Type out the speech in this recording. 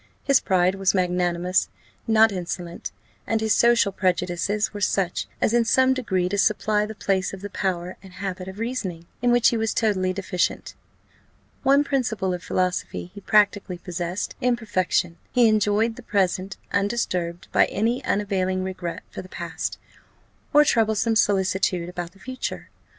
His pride was magnanimous, not insolent; and his social prejudices were such as, in some degree, to supply the place of the power and habit of reasoning, in which he was totally deficient. One principle of philosophy he practically possessed in perfection; he enjoyed the present, undisturbed by any unavailing regret for the past, or troublesome solicitude about the future.